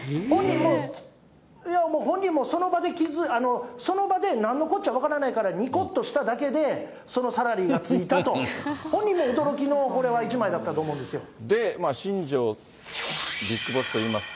本人もその場で、なんのこっちゃ分からないから、にこっとしただけで、そのサラリーがついたと、本人も驚きの、これは一枚だったと思う新庄ビッグボスといいますと。